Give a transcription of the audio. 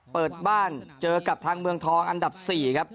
เปิดบ้านเจอกับทางเมืองทองอันดับ๔ครับ